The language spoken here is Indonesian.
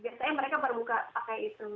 biasanya mereka baru buka pakai itu